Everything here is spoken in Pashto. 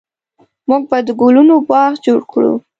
موږ به د ګلونو باغ جوړ کړو